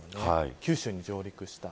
九州に上陸した。